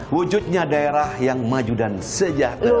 wujudnya daerah yang maju dan sejahtera